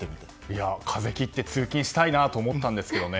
風切って通勤したいなと思ったんですけどね。